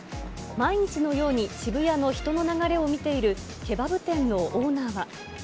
毎日のように渋谷の人の流れを見ているケバブ店のオーナーは。